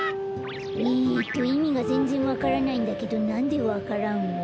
えっといみがぜんぜんわからないんだけどなんでわか蘭を？